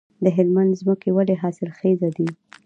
د هلمند ځمکې ولې حاصلخیزه دي؟